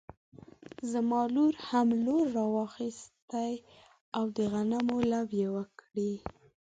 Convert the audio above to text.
زما لور هم لور راواخيستی او د غنمو لو يې وکړی